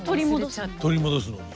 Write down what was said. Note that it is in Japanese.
取り戻すのに？